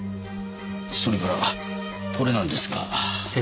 それからこれなんですが。